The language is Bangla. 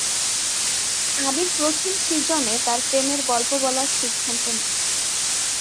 আবির প্রথম সিজনে তাদের প্রেমের গল্প বলার সিদ্ধান্ত নেয়।